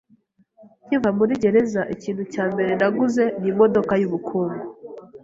Nkiva muri gereza, ikintu cya mbere naguze ni imodoka yubukungu.